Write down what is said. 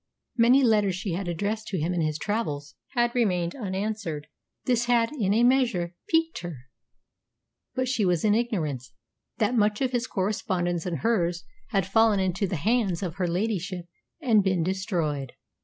Many letters she had addressed to him in his travels had remained unanswered. This had, in a measure, piqued her. But she was in ignorance that much of his correspondence and hers had fallen into the hands of her ladyship and been destroyed.